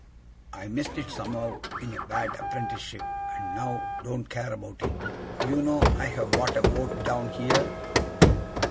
I missed it somehow in a bad apprenticeship, and now don't care about it. You know I have bought a boat down here?